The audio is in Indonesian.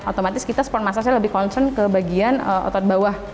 otomatis kita spon massage nya lebih concern ke bagian otot bawah